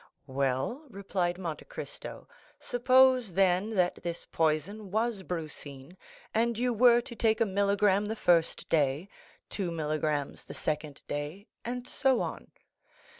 30069m "Well," replied Monte Cristo "suppose, then, that this poison was brucine, and you were to take a milligramme the first day, two milligrammes the second day, and so on.